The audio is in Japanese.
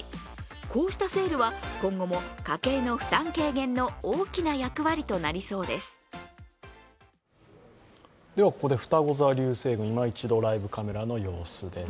こうしたセールは今後も家計の負担軽減の大きな役割となりそうです。